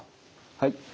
はい。